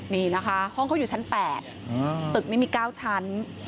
นี่นะคะห้องเขาอยู่ชั้น๘ตึกนี้มี๙ชั้น